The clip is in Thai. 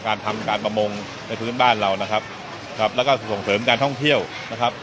การทำการประมงในพื้นบ้านเรานะครับครับแล้วก็ส่งเสริมการท่องเที่ยวนะครับ